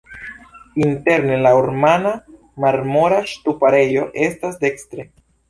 Interne la ornama marmora ŝtuparejo estas dekstre.